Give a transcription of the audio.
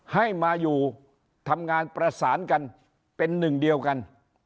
ให้มาอยู่ทำงานประสานกันเป็นหนึ่งเดียวกัน